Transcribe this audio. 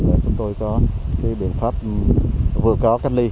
để chúng tôi có cái biện pháp vừa có cách ly